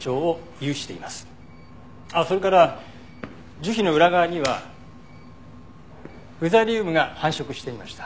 それから樹皮の裏側にはフザリウムが繁殖していました。